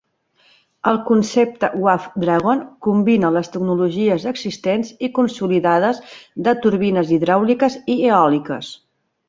El concepte Wave Dragon combina les tecnologies existents i consolidades de turbines hidràuliques i eòliques.